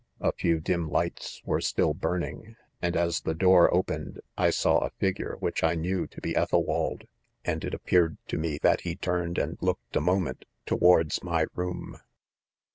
e A few dim lights were still burning, and as the door opened, I saw a figure, which ! knew to be Ethelwaldj and it appeared to me that lie turned and looked a moment towards my room.